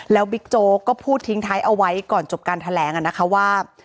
แล้วบิ๊กโจ๊กก็พูดทิ้งท้ายเอาไว้ก่อนจบการแถลงนะคะว่า